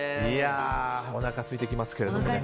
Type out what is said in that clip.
おなかすいてきますけれども。